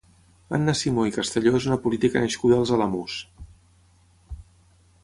Anna Simó i Castelló és una política nascuda als Alamús.